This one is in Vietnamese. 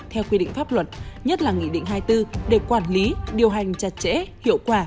theo quy định pháp luật nhất là nghị định hai mươi bốn để quản lý điều hành chặt chẽ hiệu quả